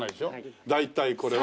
大体これは？